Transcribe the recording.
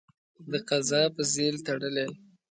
د قضا په ځېل تړلی.